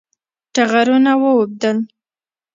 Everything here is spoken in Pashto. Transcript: ټغرونه واوبدل